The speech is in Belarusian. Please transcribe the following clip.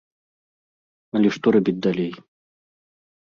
Але што рабіць далей?